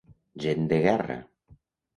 Gent de guerra.